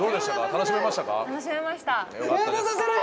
楽しめました。